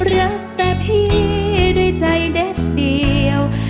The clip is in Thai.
รักแต่พี่ด้วยใจเด็ดเดียว